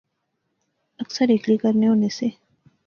اکثر ہیکلی کرنے ہونے سے